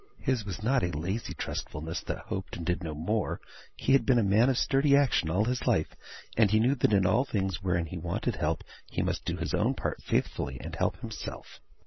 His was not a lazy trustfulness that hoped, and did no more. He had been a man of sturdy action all his life, and he knew that in all things wherein he wanted help he must do his own part faithfully, and help himself.